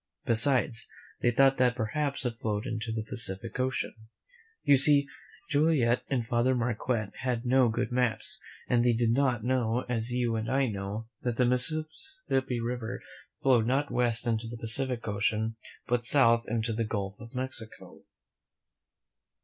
Besides, they thought that perhaps it flowed into the Pacific Ocean. You see, Joliet and Father Marquette had no good U "MiM >i\:i^ 145 THE MEN WHO FOUND AMERICA l':<y.' iljC ■r ^;» maps, and they did not know, as you and I know, that the Mississippi River flowed not west into the Pacific Ocean, but south into the Gulf of Mexico.